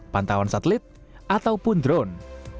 pantauan satelit ataupun drone